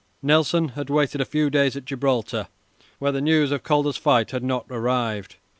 Nelson had waited a few days at Gibraltar, where the news of Calder's fight had not arrived.